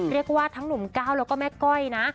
เรียกว่าทั้งหนุ่มก้าวแล้วก็แม่ก้อยนะ